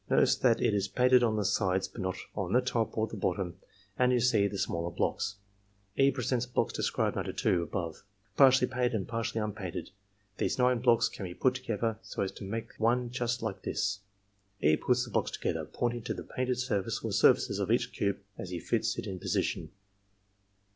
Notice thai it is painted on the sides but not on the top or 106 ARMY MENTAL TESTS the bottom; and you see these smaller blocks [E. presents blocks described under (2), above] partly painted and partly unpainied. These nine blocks can be put together so as to mxike one just like this,^^ E. puts the blocks together, pointing to the painted surface or surfaces of each cube as he fits it in position.